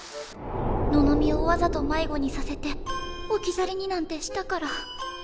ののみをわざと迷子にさせて置き去りになんてしたから。